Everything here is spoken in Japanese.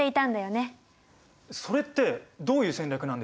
それってどういう戦略なんですか？